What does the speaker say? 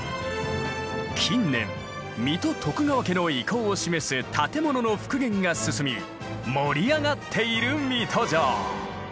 近年水戸徳川家の威光を示す建物の復元が進み盛り上がっている水戸城。